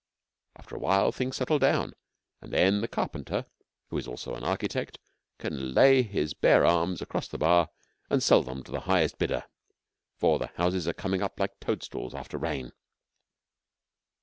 After a while things settle down, and then the carpenter, who is also an architect, can lay his bare arms across the bar and sell them to the highest bidder, for the houses are coming up like toadstools after rain.